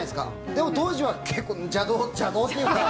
でも、当時は結構、邪道邪道っていうか。